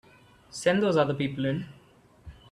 Send those other people in.